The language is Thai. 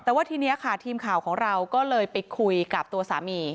แต่ว่าทีนี้ค่ะทีมข่าวของเราก็เลยไปคุยกับตัวสามี